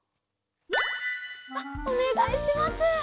あっおねがいします。